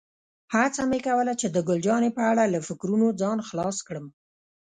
هڅه مې کوله چې د ګل جانې په اړه له فکرونو ځان خلاص کړم.